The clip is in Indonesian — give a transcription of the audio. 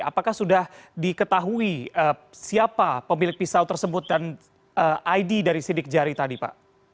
apakah sudah diketahui siapa pemilik pisau tersebut dan id dari sidik jari tadi pak